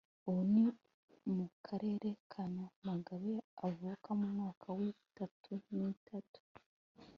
ubu ni mu karere ka nyamagabe, avuka mu mwaka w'itatu n'itanu